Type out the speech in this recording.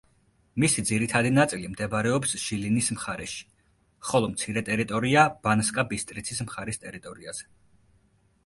მისი ძირითადი ნაწილი მდებარეობს ჟილინის მხარეში, ხოლო მცირე ტერიტორია ბანსკა-ბისტრიცის მხარის ტერიტორიაზე.